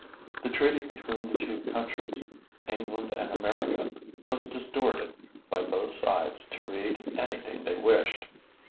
The treaty between the two countries, England and America, was distorted by both sides to read anything they wished.